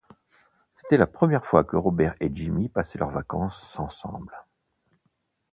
C'était la première fois que Robert et Jimmy passaient leurs vacances ensemble.